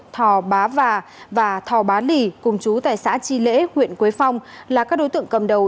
thò bá và thò bá lì cùng chú tại xã tri lễ huyện quế phong là các đối tượng cầm đầu